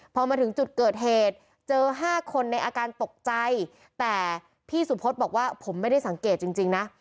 พอมาถึงจุดเกิดเหตุเจอห้าคนในอาการตกใจแต่พี่สุพธบอกว่าผมไม่ได้สังเกตจริงนะ